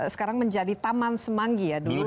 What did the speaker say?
sekarang menjadi taman semanggi ya dulu